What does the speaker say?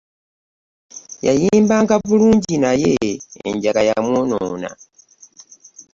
Yayimbanga bulungi naye enjaga yamwonoona.